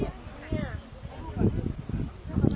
สุดท้ายเมื่อเวลาสุดท้าย